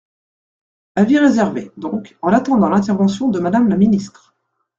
Avis réservé, donc, en attendant l’intervention de Madame la ministre.